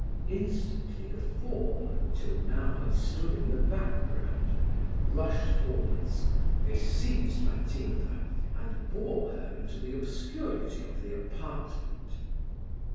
Instantly the four, who till now had stood in the back ground, rushed forwards: they seized Matilda, and bore her into the obscurity of the apartment.